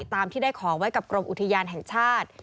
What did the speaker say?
ตามที่ได้ของไว้กับกรมอุทยานแห่งชาติ